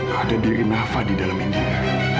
ada diri nafa di dalam indika